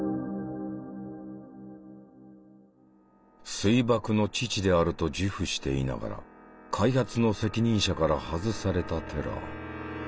「水爆の父」であると自負していながら開発の責任者から外されたテラー。